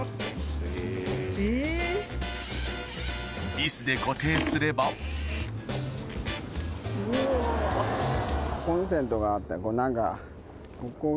ビスで固定すればコンセントがあってこれ何かここが。